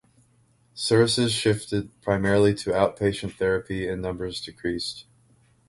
Services shifted primarily to outpatient therapy and numbers decreased.